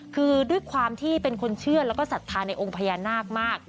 คือด้วยความที่เป็นคนเชื่อแล้วก็ศรัทธาในองค์พญานาคมาก